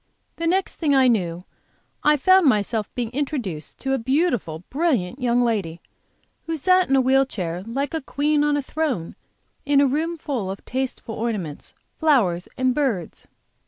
The next thing I knew I found myself being introduced to a beautiful, brilliant young lady, who sat in a wheel chair like a queen on a throne in a room full of tasteful ornaments, flowers and birds.